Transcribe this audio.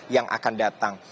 yang akan datang